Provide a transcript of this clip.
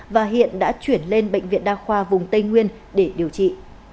và hiện đã chuyển lên bệnh viện đa khoa vùng tây nguyên để điều trị